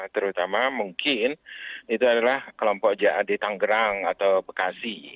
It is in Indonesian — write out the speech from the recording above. terutama mungkin itu adalah kelompok jad tanggerang atau bekasi